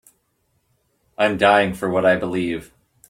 I'm dying for what I believe.